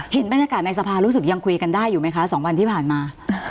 เห็นบรรยากาศในสภารู้สึกยังคุยกันได้อยู่ไหมคะ๒วันที่ผ่านมา